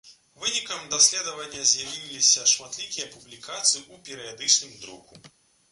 Вынікам даследавання з'явіліся шматлікія публікацыі ў перыядычным друку.